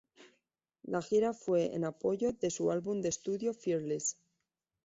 La gira fue en apoyo de su álbum de estudio Fearless.